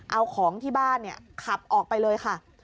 เอาของที่บ้านเนี่ยขับออกไปเลยค่ะ